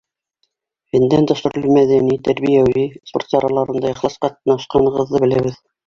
— Фәндән тыш төрлө мәҙәни, тәрбиәүи, спорт сараларында ихлас ҡатнашҡанығыҙҙы беләбеҙ.